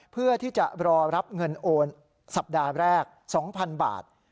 เพื่อที่จะรอรับเงินโอนสัปดาห์แรก๒๐๐๐บาท